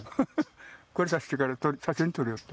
これさしてから写真撮りよった。